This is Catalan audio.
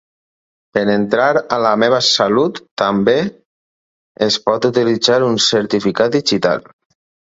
Per entrar a La Meva Salut també es pot utilitzar un certificat digital.